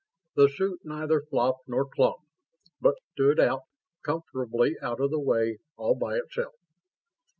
The suit neither flopped nor clung, but stood out, comfortably out of the way, all by itself.